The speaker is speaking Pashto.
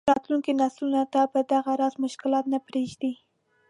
راتلونکو نسلونو ته به دغه راز مشکلات نه پرېږدي.